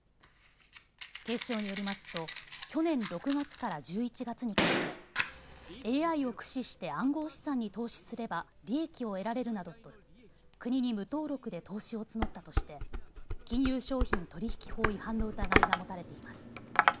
警視庁によりますと去年６月から１１月にかけてＡＩを駆使して暗号資産に投資すれば利益を得られるなどと国に無登録で投資を募ったとして金融商品取引法違反の疑いが持たれています。